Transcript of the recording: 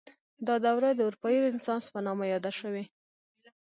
دا دوره د اروپايي رنسانس په نامه یاده شوې.